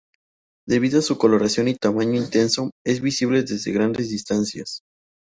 Debido a su coloración y tamaño inmenso, es visible desde grandes distancias.